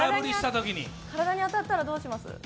体に当たったらどうします？